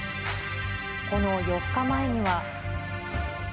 この４日前には。